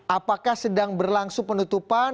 apakah sedang berlangsung penutupan